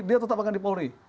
dia tetap akan di polri